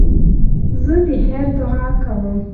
زه د خیر دؤعا کوم.